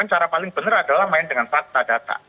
cara paling benar adalah main dengan fakta data